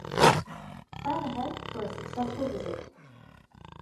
Plan ahead for a successful visit!